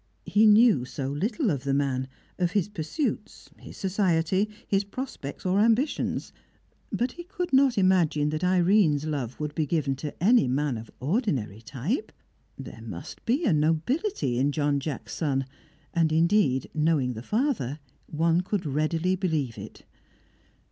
He knew so little of the man, of his pursuits, his society, his prospects or ambitions. But he could not imagine that Irene's love would be given to any man of ordinary type; there must be a nobility in John Jacks' son, and indeed, knowing the father, one could readily believe it.